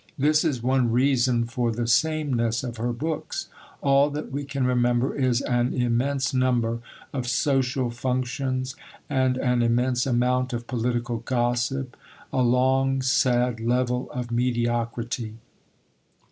This is one reason for the sameness of her books. All that we can remember is an immense number of social functions and an immense amount of political gossip a long, sad level of mediocrity.